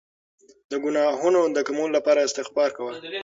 د ګناهونو د کمولو لپاره استغفار کوه.